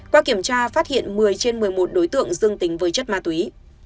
qua kiểm tra phát hiện một mươi trên một mươi một đối tượng dương tính với chất ma túy